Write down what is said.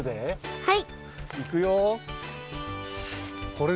はい。